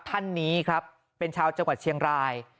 ท่านนี้ครับเป็นชาวจังหวัดเชียงราย